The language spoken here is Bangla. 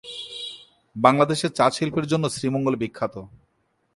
বাংলাদেশের চা শিল্পের জন্য শ্রীমঙ্গল বিখ্যাত।